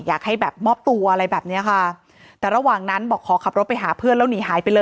อยากให้แบบมอบตัวอะไรแบบเนี้ยค่ะแต่ระหว่างนั้นบอกขอขับรถไปหาเพื่อนแล้วหนีหายไปเลย